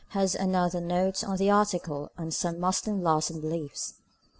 has another note on the article on "Some Muslim Laws and Beliefs."